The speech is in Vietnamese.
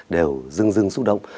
đều rưng rưng xúc động